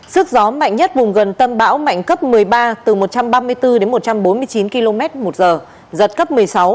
sức gió mạnh nhất vùng gần tâm bão mạnh cấp một mươi ba từ một trăm ba mươi bốn đến một trăm bốn mươi chín km một giờ giật cấp một mươi sáu